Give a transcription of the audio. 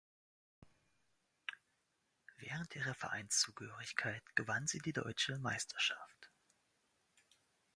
Während ihrer Vereinszugehörigkeit gewann sie die Deutsche Meisterschaft.